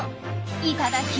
いただき！